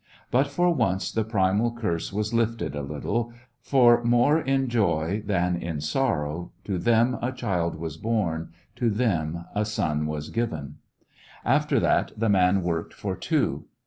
But for once the primal curse A Christmas When was lifted a little, for more in joy than in sorrow to them a child was bom, to them a son was given. After that the man worked for two.